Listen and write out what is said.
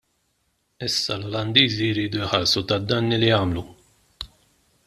Issa l-Olandiżi jridu jħallsu tad-danni li għamlu.